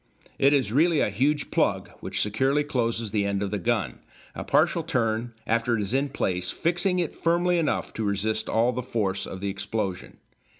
It is really a huge plug which securely closes the end of the gun, a partial turn after it is in place fixing it firmly enough to resist all the force of the explosion.